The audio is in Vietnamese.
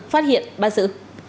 phát hiện ba sự